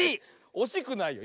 おしくないよ。